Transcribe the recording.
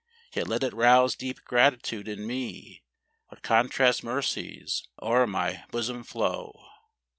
Yet let it rouse deep gratitude in me, What contrast mercies o'er my bosom flow.